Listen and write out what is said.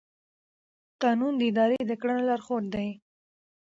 قانون د ادارې د کړنو لارښود دی.